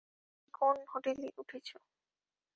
তো তুমি কোন হোটেলে উঠেছ?